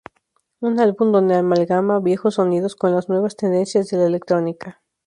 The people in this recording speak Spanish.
Un álbum donde amalgama los viejos sonidos con las nuevas tendencias de la electrónica.